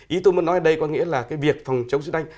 ý tôi muốn nói ở đây có nghĩa là cái việc phòng chống sốt huyết đánh